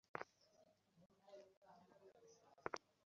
সংগঠন ছাড়া কোনো রাজনৈতিক আন্দোলন কিংবা সামাজিক আন্দোলন করা যায় না।